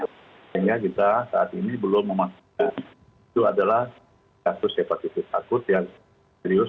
sehingga kita saat ini belum memastikan itu adalah kasus hepatitis akut yang serius